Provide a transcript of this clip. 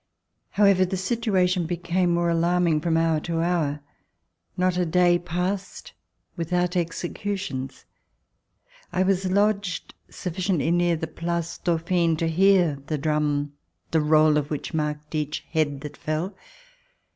HOWEVER, the situation became more alarm ln{T from hour to hour. Not a day passed w ithout executions. I was lodged sufficiently near the Place Dauphine to hear the drum, the roll of which marked each head that fell.